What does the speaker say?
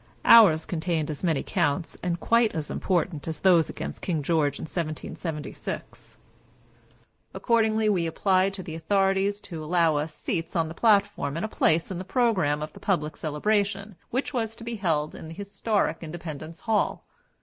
Ours contained as many counts, and quite as important, as those against King George in 1776. Accordingly, we applied to the authorities to allow us seats on the platform and a place in the programme of the public celebration, which was to be held in the historic old Independence Hall.